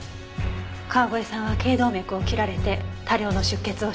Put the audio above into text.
川越さんは頸動脈を切られて多量の出血をしている。